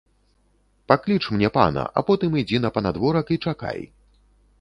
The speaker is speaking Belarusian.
Пакліч мне пана, а потым ідзі на панадворак і чакай.